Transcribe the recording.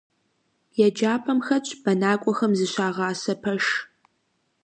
ЕджапӀэм хэтщ бэнакӀуэхэм зыщагъасэ пэш.